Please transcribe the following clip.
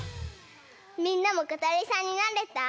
みんなもことりさんになれた？